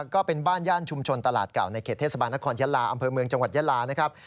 ก็เป็นบ้านย่านชุมชนตลาดเก่าในเขตเทศบาลนครยะลาอำเภอเมืองจังหวัดยาลานะครับ